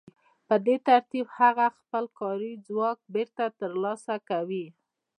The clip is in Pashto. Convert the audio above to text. په دې ترتیب هغه خپل کاري ځواک بېرته ترلاسه کوي